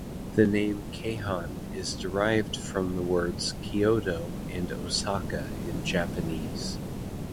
The name Keihan is derived from the words Kyoto and Osaka in Japanese.